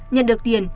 nhận được tiền